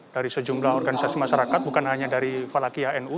dari sejumlah organisasi masyarakat bukan hanya dari falakiyah nu